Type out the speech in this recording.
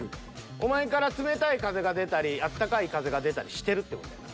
お前から冷たい風が出たりあったかい風が出たりしてるって事やな？